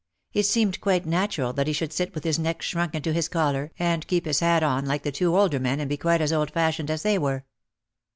It seemed quite natural that he should sit with his neck shrunk into his collar and keep his hat on like the two older men and be quite as old fashioned as they were.